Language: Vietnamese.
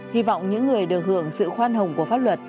hy vọng những người được hưởng sự khoan hồng của pháp luật